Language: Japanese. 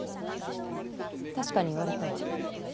確かに言われたわ。